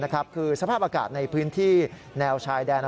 คือสภาพอากาศในพื้นที่แนวชายแดน